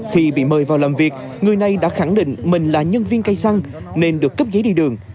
khi bị mời vào làm việc người này đã khẳng định mình là nhân viên cây xăng nên được cấp giấy đi đường